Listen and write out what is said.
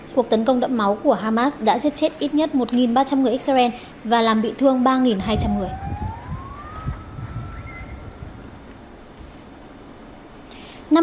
cuộc tấn công đẫm máu của hamas đã giết chết ít nhất một ba trăm linh người israel và làm bị thương ba hai trăm linh người